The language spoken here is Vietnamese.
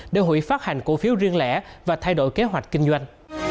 để hủy phát hành cổ phiếu riêng lẻ và thay đổi kế hoạch kinh doanh